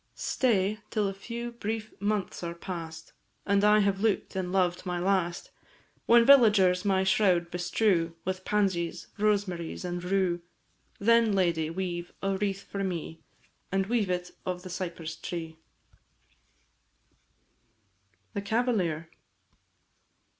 Stay till a few brief months are past And I have look'd and loved my last! When villagers my shroud bestrew With pansies, rosemary, and rue, Then, lady, weave a wreath for me, And weave it of the cypress tree! "Rokeby," canto fifth. THE CAVALIER.